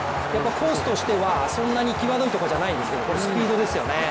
コースとしてはそんなに際どいところじゃないんですスピードですよね。